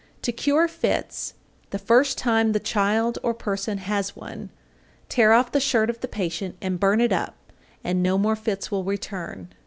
_ 823. To cure fits, the first time the child or person has one, tear off the shirt of the patient and burn it up, and no more fits will return.